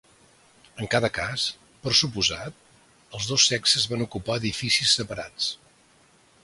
En cada cas, per suposat, els dos sexes van ocupar edificis separats.